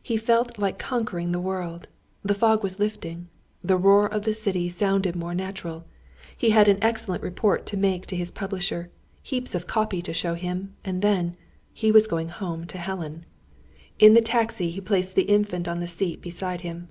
He felt like conquering the world! The fog was lifting. The roar of the city sounded more natural. He had an excellent report to make to his publisher, heaps of "copy" to show him, and then he was going home to Helen. In the taxi he placed the Infant on the seat beside him.